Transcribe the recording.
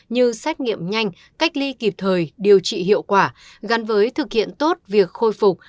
như xét nghiệm nhanh cách ly kịp thời điều trị hiệu quả gắn với thực hiện tốt việc khôi phục